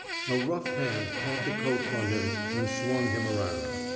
A rough hand caught the coat from him and swung him around.